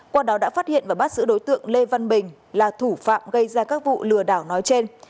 qua đó đã phát hiện và bắt giữ đối tượng lê văn bình là thủ phạm gây ra các vụ lừa đảo nói trên